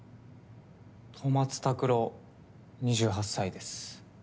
戸松卓郎２８歳です。